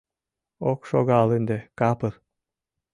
Ок шогал ынде капыр.